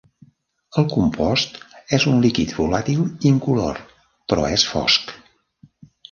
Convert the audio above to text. El compost és un líquid volàtil incolor, però és fosc.